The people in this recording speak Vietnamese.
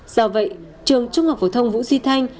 do vậy trường trung học phổ thông vũ duy thanh